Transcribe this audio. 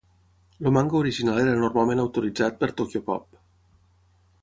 El manga original era normalment autoritzat per Tokyopop.